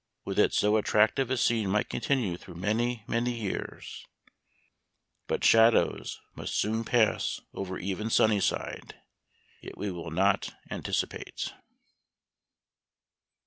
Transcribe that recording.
Would that so attractive a scene might continue through many, many years ! But shadows must soon pass over even " Sunnyside ;" yet we will not anticipate.